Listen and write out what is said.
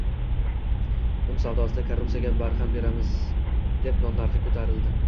Un savdosida korrupsiyaga barham beramiz deb, non narxi koʻtarildi.